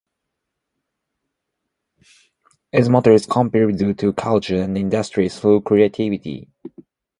Its motto is "Contribute to culture and industry through creativity".